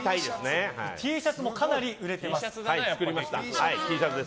Ｔシャツもかなり売れています。